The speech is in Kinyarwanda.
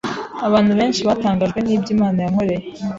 Abantu benshi batangajwe n’ibyo Imana yankoreye.